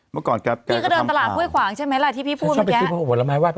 เมื่อก่อนแกแกก็จะทำข่าว